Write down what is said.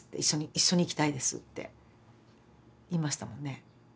一緒に生きたいです」って言いましたもんね。